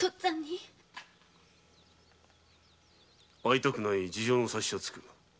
会いたくない事情の察しはつく。